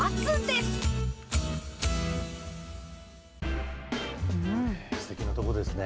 すてきな所ですね。